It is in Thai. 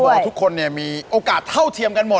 เขาบอกว่าทุกคนน่ะมีโอกาสเท่าเทียมกันหมด